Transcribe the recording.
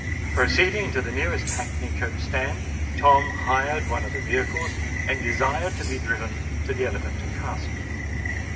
Proceeding to the nearest hackney coach stand, Tom hired one of the vehicles, and desired to be driven to the Elephant and Castle.